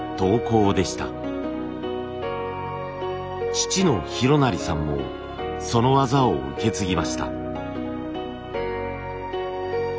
父の洋也さんもその技を受け継ぎました。